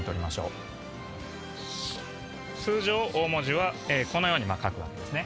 通常大文字はこのように書くわけですね。